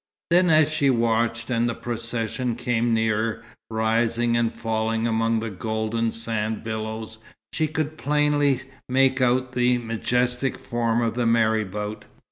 Then as she watched, and the procession came nearer, rising and falling among the golden sand billows, she could plainly make out the majestic form of the marabout.